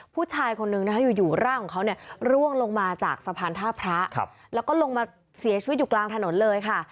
ผู้ชายคนนึงนะคะอยู่ร่างของเขาเนี่ยร่วงลงมาจากสะพานท่าพระแล้วก็ลงมาเสียชีวิตอยู่กลางถนนเลยค่ะ